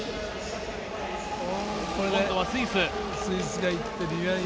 今度はスイス。